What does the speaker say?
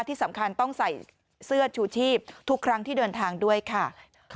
ที่สำคัญต้องใส่เสื้อชูชีพทุกครั้งที่เดินทางด้วยค่ะ